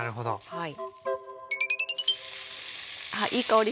はい。